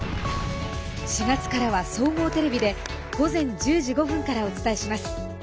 ４月からは総合テレビで午前１０時５分からお伝えします。